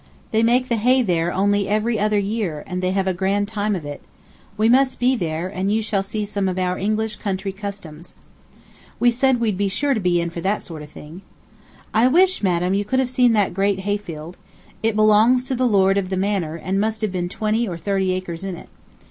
They make the hay there only every other year, and they have a grand time of it. We must be there, and you shall see some of our English country customs." We said we'd be sure to be in for that sort of thing. I wish, madam, you could have seen that great hayfield. It belongs to the lord of the manor, and must have twenty or thirty acres in it.